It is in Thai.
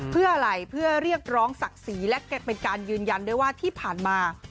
เพื่ออะไรเพื่อเรียกร้องศักดิ์ศรีและเป็นการยืนยันด้วยว่าที่ผ่านมา